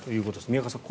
宮川さん